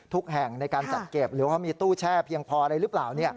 แห่งในการจัดเก็บหรือว่ามีตู้แช่เพียงพออะไรหรือเปล่า